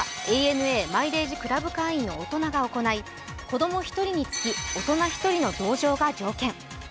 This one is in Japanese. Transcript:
予約はＡＮＡマイレージクラブ会員の大人が行う必要があり子供１人につき大人１人の同乗が条件。